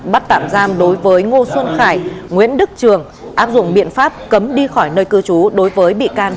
bắt tạm giam đối với ngô xuân khải nguyễn đức trường áp dụng biện pháp cấm đi khỏi nơi cư trú đối với bị can phan tâm anh